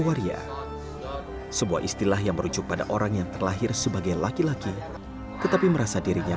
waria sebuah istilah yang merujuk pada orang yang terlahir sebagai laki laki tetapi merasa dirinya